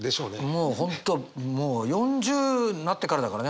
もう本当もう４０になってからだからね